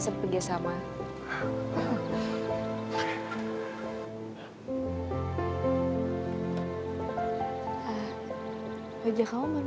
kamu bisa melakukannya